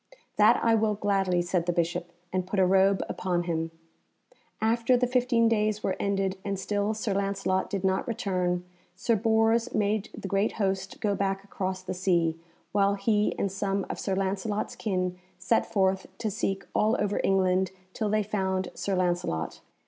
"That I will gladly," said the Bishop, and put a robe upon him. After the fifteen days were ended, and still Sir Lancelot did not return, Sir Bors made the great host go back across the sea, while he and some of Sir Lancelot's kin set forth to seek all over England till they found Sir Lancelot.